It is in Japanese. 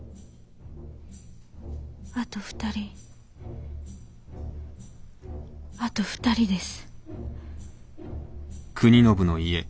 あと２人あと２人です。